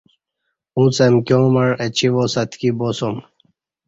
اُݩڅ امکیاں مع اچی واس اتکی باسُوم